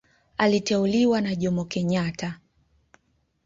Aliteuliwa na Jomo Kenyatta.